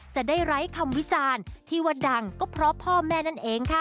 จะได้ไร้คำวิจารณ์ที่ว่าดังก็เพราะพ่อแม่นั่นเองค่ะ